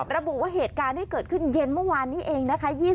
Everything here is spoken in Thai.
ระบุว่าเหตุการณ์ที่เกิดขึ้นเย็นเมื่อวานนี้เองนะคะ